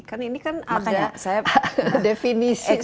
kan ini kan ada definisi